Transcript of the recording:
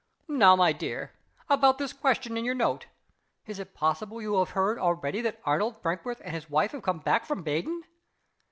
"Now, my dear about this question in your note? Is it possible you have heard already that Arnold Brinkworth and his wife have come back from Baden?"